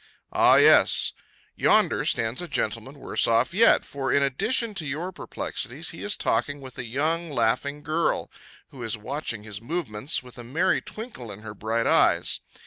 Ah, yes! Yonder stands a gentleman worse off yet, for, in addition to your perplexities, he is talking with a young, laughing girl, who is watching his movements, with a merry twinkle in her bright eyes.